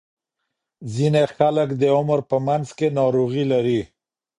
ځینې خلک د عمر په منځ کې ناروغۍ لري.